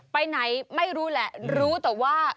ไปไหนไม่รู้แหละรู้แต่ว่า